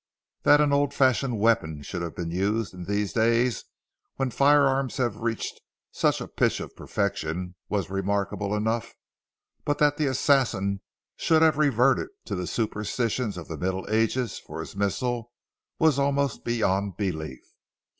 That an old fashioned weapon should have been used in these days when firearms have reached such a pitch of perfection, was remarkable enough, but that the assassin should have reverted to the superstitions of the Middle Ages for his missile, was almost beyond belief.